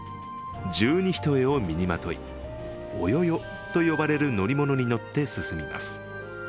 十二単を身にまとい、腰輿と呼ばれる乗り物に乗って進みます。